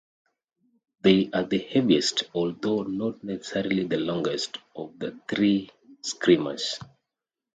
They are the heaviest, although not necessarily the longest, of the three screamers.